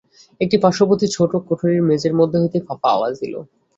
একটি পার্শ্ববর্তী ছোটো কুঠরির মেঝের মধ্য হইতে ফাঁপা আওয়াজ দিল।